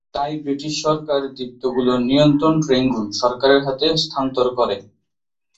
তাই ব্রিটিশ সরকার দ্বীপগুলোর নিয়ন্ত্রণ রেঙ্গুন সরকারের হাতে হস্তান্তর করে।